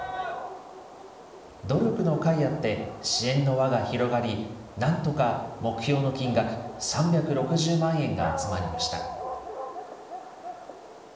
努力のかいあって、支援の輪が広がり、なんとか目標の金額３６０万円が集まりました。